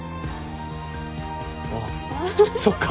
あっそっか。